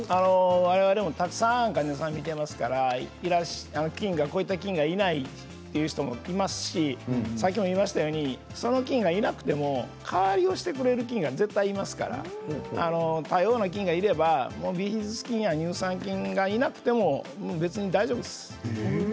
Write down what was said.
我々もたくさん患者さんを見ていますから、いらした方がこういった菌がいないという人もいますし先ほど言いましたようにその菌がいなくても代わりをしてくれる菌は絶対いますから多様な菌がいればビフィズス菌や乳酸菌がいなくても大丈夫です。